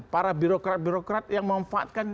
para birokrat birokrat yang memanfaatkan